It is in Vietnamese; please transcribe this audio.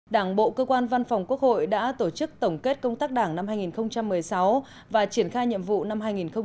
đảng bộ cơ quan văn phòng quốc hội đã tổ chức tổng kết công tác đảng năm hai nghìn một mươi sáu và triển khai nhiệm vụ năm hai nghìn một mươi chín